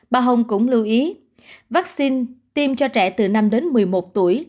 bà hồng cũng lưu ý vaccine tiêm cho trẻ từ năm đến một mươi một tuổi